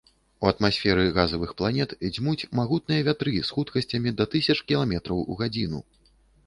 У атмасферы газавых планет дзьмуць магутныя вятры з хуткасцямі да тысяч кіламетраў у гадзіну.